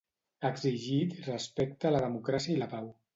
Ha exigit respecte a la democràcia i la pau.